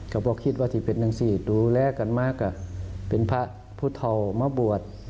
กับว่าคิดว่าที่เป็นทั้งสี่ดูแลกันมาก่ะเป็นพระพุทธเท่ามบวช